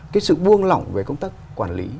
cái sự buông lỏng về công tác quản lý